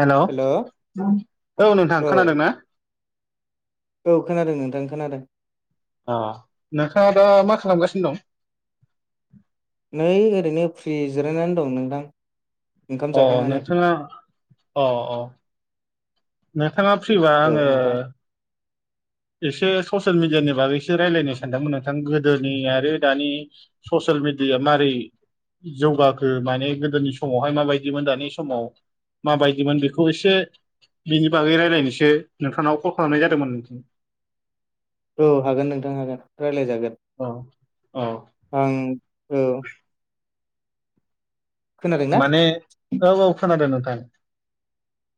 Hello hello औ औ नोंथां खोनादोंना औ खोनादों नोंथां खोनादों। अ नोंथाङा दा मा खालामगासिनो दं? नै ओरैनो फ्रि जिरायनानै दं नोंथां। ओंखाम अ जाखांनानै नोंथाङा, अ अ। नोंथाङा फ्रिबा औ आङो नोंथां एसे ससियेल मिडियानि बागैसो रायलायनो सानदोंमोन नोंथां गोदोनि आरो दानि ससियेल मिडियाया मारै जौगाखो माने गोदोनि समावहाय माबायदिमोन दानि समाव माबायदिमोन बेखौ एसे बिनि बागै रायज्लायनोसो नोंथांनाव कल खालामनाय जादोंमोन औ हागोन नोंथां हागोन राय्लायजागोन। औ औ। आं औ। खोनादोंना माने, औ औ खोनादों नोंथां।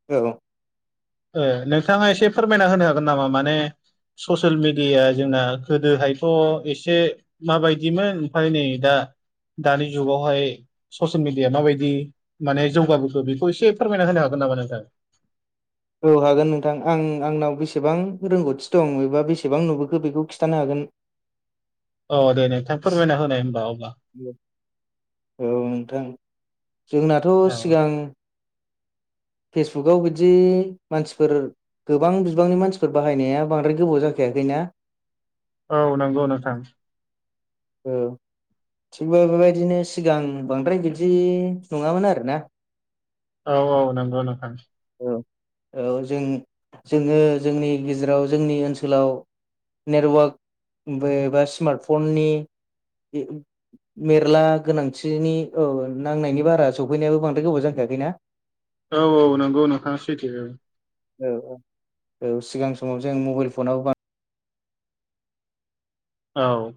औ ओ नोंथाङा एसे फोरमायना होनो हागोन नामा माने ससियेल मिडियाया जोंना गोदोहायथ' एसे माबायदिमोन ओमफ्राय नै दा दानि जुगावहाय ससियेल मि डियाया माबायदि माने जौगाबोखो बेखौ एसे फोरमायना होनो हागोन नामा नोंथां? औ हागोन नोंथा। आं आंनाव बेसेबां रोंगौथि दं एबा बेसेबां नुबोखो बेखौ खिथानो हागोन। अ दे नोंथां फोरमायना होनाय होनबा अब्ला। औ नोंथां जोंनाथ' औ सिगां फेसबुगाव बिदि मानसिफोर गोबां बिबांनि मानसिफोर बाहायनाया बांद्राय गोबाव जाखायाखैना? औ नंगौ नोंथां। औ। थिगबो बेबायदिनो सिगां बांद्राय बिदि नङामोन आरो ना। औ औ नंगौ नोंथां। औ औ जों जोङो जोंनि गेजेराव जोंनि ओनसोलाव नेटवार्कबो बा स्मार्टफननि मेरला गोनांथिनि औ नांनायनि बारा सफैनायाबो बांद्राय गोबाव जखायाखैना? औ औ नोंगौ नोंथां सैथो औ। औ औ। औ सिगां समाव जों मबाइल फनाबो बा औ।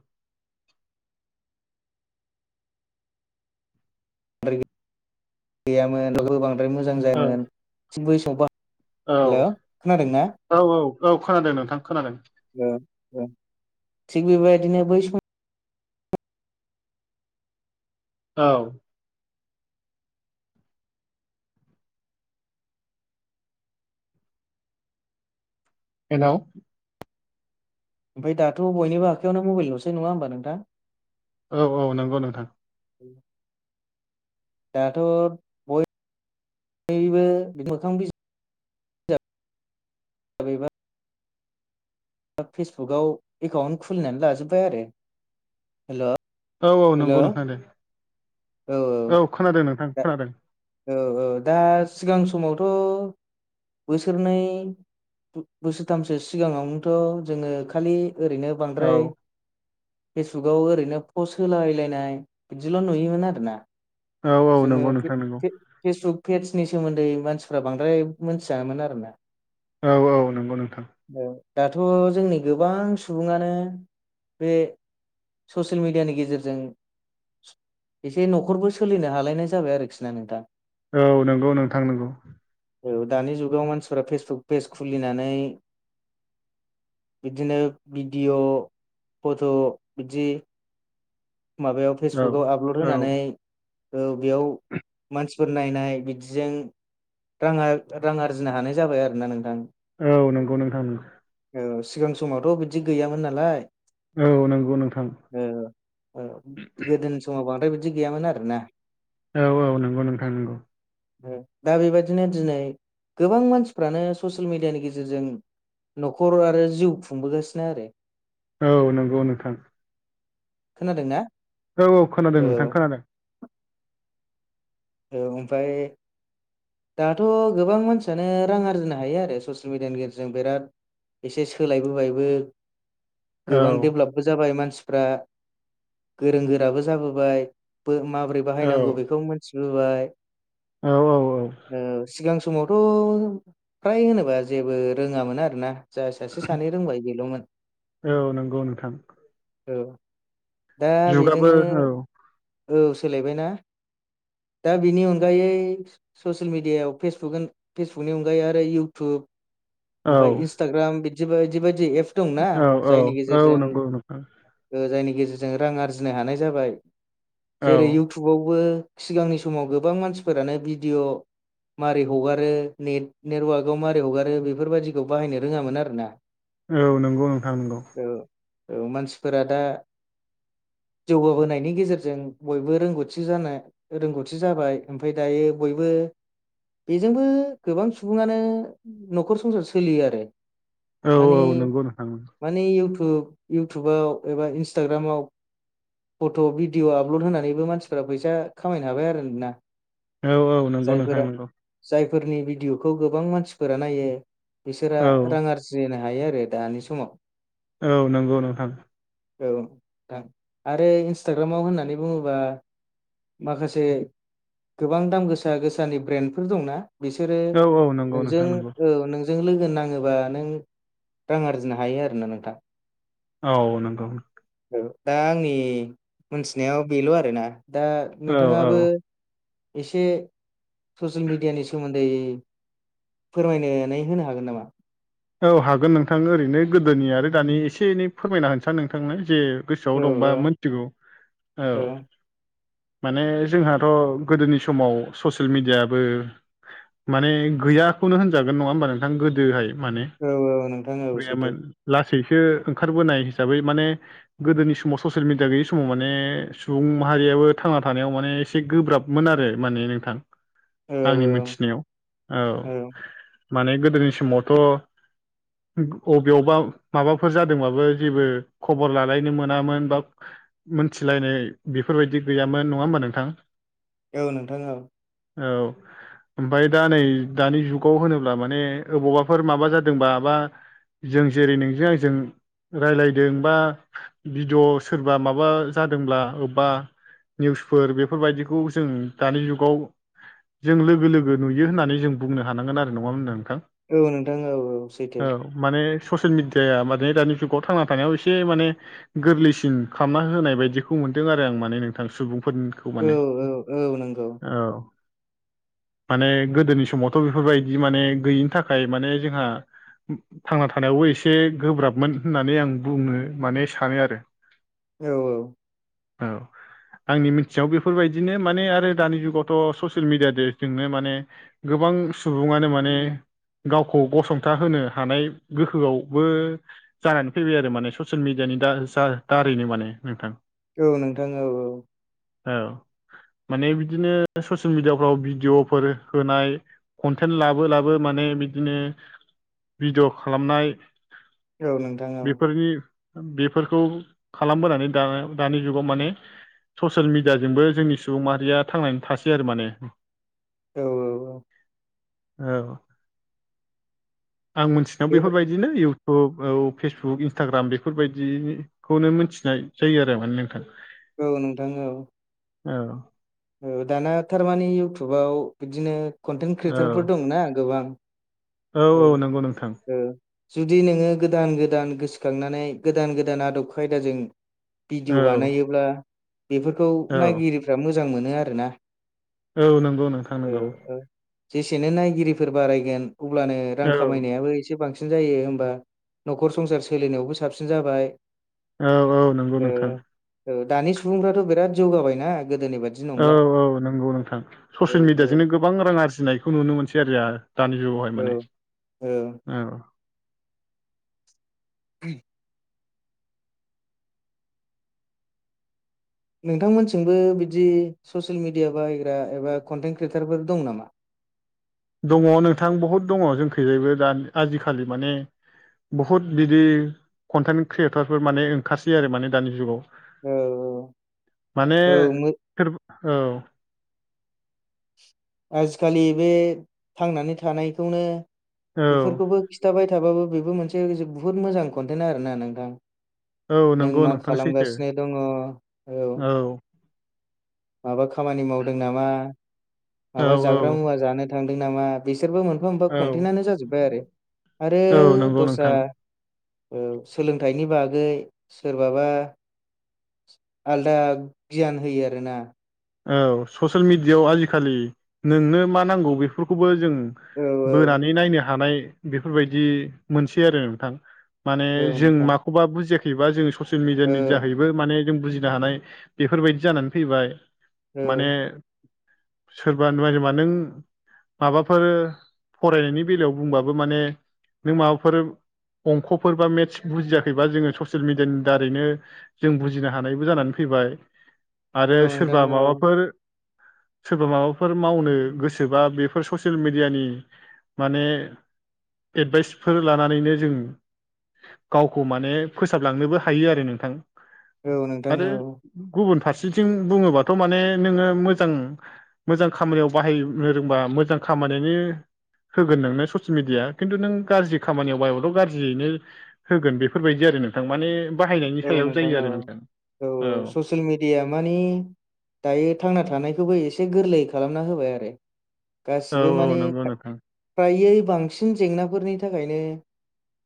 द्राय गैयामोन बांद्राय मोजां औ जायामोन थिक बै स बा औ औ औ औ खोनादों नोंथां खोनादों। ओ ओ थिग बेबायदिनो बै स औ। हेल'! ओमफाय दाथ' बयनिबो आखायावयाव मबल'सै नङा होनोमबा नोंथां? औ औ नोंगौ नोंथां। दाथ' बयबो मोखां बि जाब एबा दा फेसबुकाव एकाउन्ट खुलिनानै लाजोबबाय आरो। हेल'! औ औ नंगौ नोंथां दे। औ खोनादों नोंथां खोनादों। ओ ओ दा सिगां समावथ' बोसोरनै बोसोरथामसो सिगाङावनोथ' जोङो खालि ओरैनो औ बांद्राय फेसबुकाव ओरैनो पस्ट होलायलायनाय बिदिल' नुयोमोन आरो ना औ औ जोङो नंगौ नोंथां नंगौ फे-फे-फेसबुक पेजनि सोमोन्दै मानसिफ्रा बांद्राय मोनथियामोन आरोना। औ औ नोंगौ नोंथां। औ दाथ' जोंनि गोबां सुबुङानो बे। ससियेल मिडियानि गेजेरजों एसे न'खरबो। सोलिनो हालायनाय जाबाय आरोखि ना नोंथां। औ नंगौ नोंथां नंगौ। औ दानि जुगाव मानसिफोरा फेसबुक पेज खुलिनानै। बिदिनो भिडिअ' फट' बिदि माबायाव औ फेसबुकाव आपलड औ होनानै ओ बेयाव मानसि नायनाय बिदिजों रां रां आरजिनो हानाय जाबाय आरो ना नोंथां। औ नंगौ नोंथां। औ सिगां समावथ' बिदि गैयामोन नालाय। औ नंगौ नोंथां ओ गोदोनि समाव बांद्राय बिदि गैयामोन आरोना? औ औ नंगौ नोंथां नंगौ। दा बेबायदिनो दिनै गोबां मानसिफ्रानो ससियेल मिडियानि गेजेरजों। न'खर आरो जिउ खुंबोगासिनो आरो औ नंगौ नोंथां। खोनादों ना? औ औ खोनादों नोंथां खोनादों। ओमफ्राय दाथ' गोबां मानसियानो रां आरजिनो हायो आरो ससियेल मिडियानि गेजेरजों बिराद एसे सोलायबोबायबो औ गोबां देब्लपबो जाबाय मानसिफ्रा गोरों गोराबो जाबोबाय माबोरै औ बाहायनांगौ बेखौ मोनथिबोबाय। औ औ सिगां समावथ' फ्राय होनोबा जेबो रोङामोन आरो ना। जा सासे सानै रोंबाय बेल'मोन।‌ औ नंगौ नोंथां औ दा जुगाबो बेजोंनो औ औ सोलायबाय ना? दा बिनि अनगायै ससियेल मिडियायाव फेसबुक फेसबुकनि अनगायै आरो इउटुब औ ओमफफ्राय इन्स्टाग्राम बिदि बायदि बायदि एप दंना औ औ जायनि औ गेजेरजों नंगौ नोंथां ओ जायनि गेजेरजों रां आरजिनो हानाय जाबाय औ जेरै इउटुबावबो सिगांनि समाव गोबां मानसिफोरानो भिडिअ' मारै हगारो नेट नेटवार्कआव मारोरै हगारो बेफोरबायाददिखौ बाहायनो रोङामोन आरो ना। औ नंगौ नोंथां नंगौ। औ औ मानसिफोरा दा जौगाहोनायनि गेजेरजों बयबो रोंगौथि जानो रोंगौथि जाबाय ओमफ्राय दायो बयबो बेजोंबो गोबां सुबुङानो न'खर संसार सोलियो आरो औ मानि औ नंगौ नोंथां मानेउटुब इउटुबाव एबा इन्स्टाग्रामाव फट' भिडिअ आपल'ड होनानैबो मानसिफ्रा फैसा खामायनो हाबाय आरो नोना औ औ नंगौ नोंथां जायफोरा नंगौ जायफोरनि भिडिअ'खौ गोबां मानसिफोरा नायो बिसोरा औ रां आरजि हायो आरो दानि समाव औ नंगौ नोंथां। औ नोंथां आरो इन्सटाग्रामाव होननानै बुङोबा माखासे गोबां दाम गोसा गोसानि ब्रेन्डफोर दंना बिसोरो औ औ नंगौ नोंजों नोंथां नंगौ औ नों जों लोगो नाङोबा नों रां आरजिनो हायो आरोना नोंथां। औ नंगौ। औ दा आंनि मोनथिनायाव बेल' आरोना दा औ नोंथाङाबो। एसे ससियेल मिडियानि सोमोन्दै फोरमायनानै होनो हागोन नामा? औ हागोन नोंथां ओरैनो गोदोनि आरो दानि एसे एनै फोरमायना होनसां नोंथांनो जे गोसोआव औ दंबा मिथिगौ औ माने जोंहाथ गोदोनि समाव ससियेल मिडियाबो माने गैयाखौनो होनजागोन नङा होमबा नोंथां गोदोहाय माने औ औ नोंथां औ सैथो गैयामोन लासैसो ओंखारबोनाय हिसाबै माने गोदोनि समाव ससियेल मिडिया गैयि समाव माने सुबुं माहारियाबो थांना थानायाव माने एसे गोब्राबमोन आरो माने नोंथां। औ आंनि मोनथिनायाव औ माने गोदोनि समावथ अबेयावबा माबाफोर जादोंबाबो जेबो खबर लालायनो मोनामोन बा मोनथिलायनाय बेफोरबायदि गैयामोन नङा होमबा नोंथां औ नोंथां औ औ ओमफ्राय दा नै दानि जुगाव होनोब्ला माने अबावबाफोर माबा जादों बा बा जों जेरै नोंजों आंजों रायलायदों बा भिडिअ सोरबा माबा जादोंब्ला अबबा निउसफोर बेफोरबायदिखौ जों दानि जुगाव जों लोगो लोगो नुयो होननानै जों बुंनो हानांगोन आरो नङा मोनदों नोंथां औ नोंथां औ औ सैथो औ माने ससियेल मिडियाया माने दानि जुगाव थांना थानायाव एसे माने गोरलैसिन खालामना होनाय बायदिखौ मोनदों आरो आं माने नोंथां सुबुंफोरनि खौ औ माने औ नंगौ औ माने गोदोनि समावथ बेफोरबायदि माने गैयिनि थाखाय माने जोंहा थांना थानायावबो एसे गोब्राबमोन होननानै आं बुंनो माने सानो आरो [inaudible] औ औ औ आंनि मिथिनायाव बेफोरबायदिनो माने आरो दानि जुगावथ ससियेल मिडिया दे जोंनो माने गोबां सुबुङानो माने गावखौ गसंथा होनो हानाय गोहोआवबो जानानै फैबाय आरो माने ससियेल मिडियानि दा जा दारैनो माने नोंथां औ नोंथां औ औ औ माने बिदिनो ससियेल मिडियाफ्राव भिडिअफोर होनाय कन्टेन्ट लाबो लाबो माने बि दिनो भिडिय खालामनाय औ नोंथां औ बेफोरनि बेफोरखौ खालामबोनानै दा दानि जुगाव माने ससियेल मिडियाजोंबो जोंनि सुबुं माहारिया थांनानै थासै आरो माने औ औ औ औ आं मिथिनायाव बे बेफोरबायदिनो इउटुब औ फेसबुक इन्सटाग्राम बेफोरबायदि खौनो मिथिनाय जायो आरो माने नोंथां औ नोंथां औ औ दाना थारमानि इयउटुबाव बिदिनो कन्टेन्ट औ क्रियेटारफोर दंना गोबां औ औ नंगौ नोंथां औ जुदि नोङो गोदान गोदान गोसोखांनानै गोदान गोदान आदब खायदाजों भिडिअ औ बानायोब्ला बेफोरखौ औ नायगिरिफ्रा मोजां मोनो आरोना औ नंगौ नोंथां औ नंगौ औ जेसेनो नायगिरिफोर बारायगोन अब्लानो रां औ खामायनायाबो एसे एसे बांसिन जायो होमबा नखर संसार सोलिनायावबो साबसिन जाबाय औ औ नंगौ नोंथां औ दानि सुबुंफ्राथ' बिराद जौगाबायना गोदोनि बायदि औ औ नोंगौ नोंथां ससियेल ओ मिडियाजोंनो गोबां रां आरजिनायखौ नुनो मोनसै आरो आहा दानि जुगावहाय माने औ औ औ [inaudible] नोंथांमोनथिंबो बिदि ससियेल मिडिया बाहायग्रा एबा कन्टेन्ट क्रियेटारफोर दं नामा दङ नोंथां बहुद दङ जोंखैजायबो दा आजिखालि माने बहुद बिदि कन्टेन्ट क्रियेटरफोर माने ओंखारसै आरो माने दानि जुगाव औ माने औ मो सोर औ आजिखालि बे थांनानै थानायखौनो औ बेफोरखौबो खिथ खिथाबाय थाबो बेबो मोनसे बुहुत मोजां कनटेन्ट आरो ना नोंथां औ नों नंगौ मा नोंथां सैथो खालामगासिनो दङ औ औ माबा खामानि मावदों नामा औ माबा जाग्रा औ मुवा जानो थांदों नामा बिसोरबो मोनफा मोनफा औ कनटेन्टानो जाजोब्बाय आरो औ आरो नंगौ दस्रा नोंथां औ सोलोंथाइनि बागै सोरबाबा आलदा गियान होयो आरोना औ ससियेल मिडियाआव आजिखालि नोंनो मा नांगौ बेफोरखौबो जों औ बोनानै नायनो हानाय बेफोरबायदि मोनसै आरो नोंथां माने औ जों नोंथां माखौबा बुजियाखैबा जों ससियेल औ मिडियानि जाहै बो माने जों बुजिनो हानाय बेफोरबायदि जानानै फैबाय औ माने सोरबा नायदोंबा नों माबाफोर फरायनायनि बेलायाव बुंबाबो माने नों माबाफोर अंखफोर बा मेथ्स बुजियाखैबा जोङो ससियेल मिडियानि दारैनो जों बुजिनो हानायबो जानानै फैबाय औ आरो नोंथां सोरबा औ माबाफोर सोरबा माबाफोर मावनो गोसोबा बेफोर ससियेल मेडियानि माने एडभाइसफोर लानानैनो जों गावखौ माने फोसाबलांनोबो हायो आरो नोंथां औ नोंथां आरो औ गुबुन फारसेथिं बुङोबाथ' माने नोङो मोजां मोजां खामानियाव बाहायनो रोंबा मोजां खामानियानो होगोन नोंनो ससियेल मिडिया खिन्थु नों गाज्रि खामानियाव बाहायबाथ' गाज्रियैनो होगोन बेफोरबायदि आरो नोंथां माने बाहायनायनि औ सायाव जायो औ आरो नोंथां औ ससियेल मिडियाया माने दायो थांना थानायखौबो एसे गोरलै खालामना होबाय आरो औ गासिबो माने औ नंगौ नोंथां फ्रायै बांसिन जेंनाफोरनि थाखायनो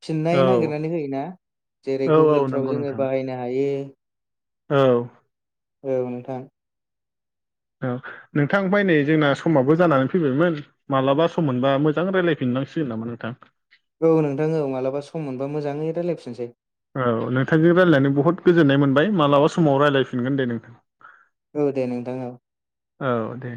फिननाय औ नागिरनानै होयोना जेरै औ औ गुगोलफ्राव नंगौ जोङो नोंथां बाहायनो हायो औ औ नोंथां औ नोंथां ओमफाय नै जोंना समाबो जानानै फैबायमोन मालाबा सम मोनबा मोजां रायलायफिनांसिगोन नामा नोंथां औ नोंथां औ मालाबा सम मोनबा मोजाङै रायलायफिनसै औ नोंथांजों रायज्लायनानै बुहुद गोजोन्नाय मोनबाय मालाबा समाव रायज्लायफिनगोन दे नोंथां औ दे नोंथां औ औ दे